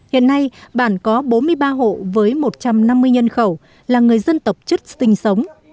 hiện nay bản có bốn mươi ba hộ với một trăm năm mươi nhân khẩu là người dân tộc chức sinh sống